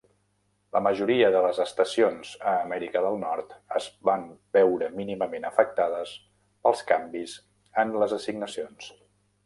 La majoria de les estacions a Amèrica de Nord es van veure mínimament afectades pels canvis en les assignacions.